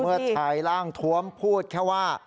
เมื่อชายร่างทวมพูดแค่ว่า